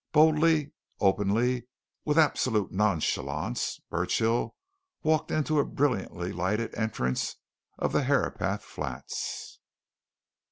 Boldly, openly, with absolute nonchalance, Burchill walked into a brilliantly lighted entrance of the Herapath Flats!